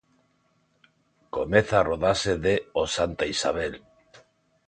Comeza a rodaxe de 'O Santa Isabel'.